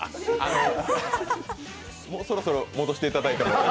もうそろそろ戻していただいても。